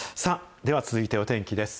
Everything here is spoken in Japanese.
では続いてお天気です。